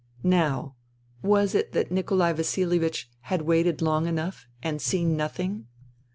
Now, was it that Nikolai Vasilievich had waited long enough and seen nothing